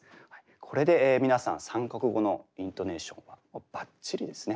これで皆さん３か国語のイントネーションはもうばっちりですね。